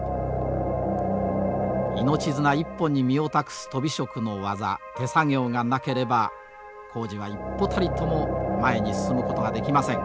命綱一本に身を託すとび職の技手作業がなければ工事は一歩たりとも前に進むことができません。